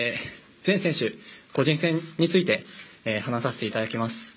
全選手、個人戦について話させていただきます。